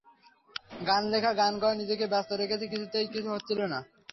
গান লেখা, গান গাওয়ায় নিজেকে ব্যস্ত রেখেছি, কিছুতেই কিছু হচ্ছিল না।